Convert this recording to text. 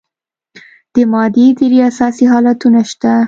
د مادې درې اساسي حالتونه شته.